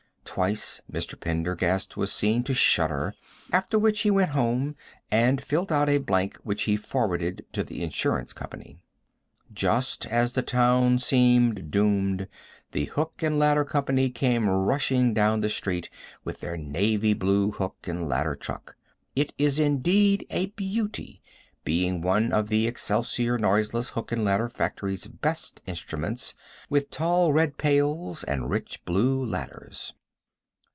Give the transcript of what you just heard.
Twice Mr. Pendergast was seen to shudder, after which he went home and filled out a blank which he forwarded to the insurance company. Just as the town seemed doomed, the hook and ladder company came rushing down the street with their navy blue hook and ladder truck. It is indeed a beauty, being one of the Excelsior noiseless hook and ladder factory's best instruments, with tall red pails and rich blue ladders.